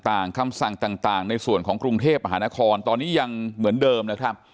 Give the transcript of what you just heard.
คำสั่งต่างในส่วนของกรุงเทพมหานครตอนนี้ยังเหมือนเดิมนะครับ